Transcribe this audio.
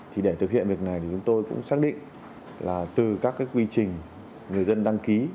thì để thực hiện việc này thì chúng tôi cũng xác định là từ các cái quy trình người dân đăng ký